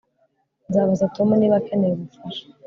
Nzabaza Tom niba akeneye ubufasha